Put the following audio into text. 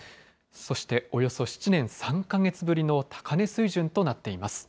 そしておよそ７年３か月ぶりの高値水準となっています。